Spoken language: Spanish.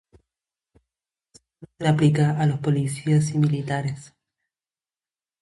Solo se aplica a los policías y militares.